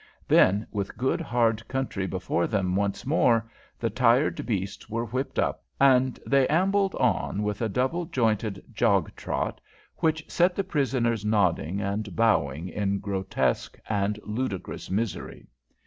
Then, with good, hard country before them once more, the tired beasts were whipped up, and they ambled on with a double jointed jog trot, which set the prisoners nodding and bowing in grotesque and ludicrous misery.